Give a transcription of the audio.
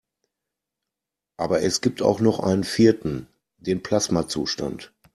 Aber es gibt auch noch einen vierten: Den Plasmazustand.